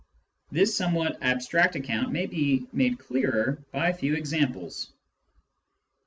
This somewhat abstract account may be made clearer by a few examples.